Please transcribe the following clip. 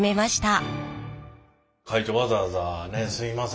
会長わざわざねすいません。